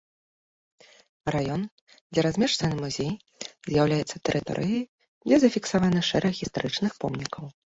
Раён, дзе размешчаны музей з'яўляецца тэрыторыяй, дзе зафіксаваны шэраг гістарычных помнікаў.